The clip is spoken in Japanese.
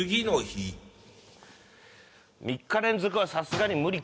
３日連続はさすがに無理か。